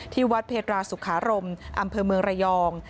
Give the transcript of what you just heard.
ที่วัดเพตราสุขารมอำเภอเมืองระยอง